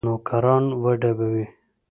نوکران وډبوي.